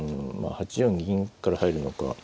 ８四銀から入るのか。